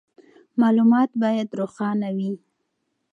معلومات باید روښانه وي.